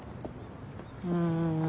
うん。